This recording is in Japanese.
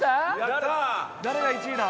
誰が１位だ？